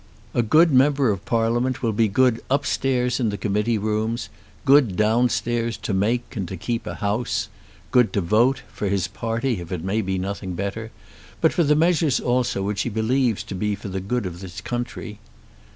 A good member of Parliament will be good upstairs in the Committee Rooms, good down stairs to make and to keep a House, good to vote, for his party if it may be nothing better, but for the measures also which he believes to be for the good of his country.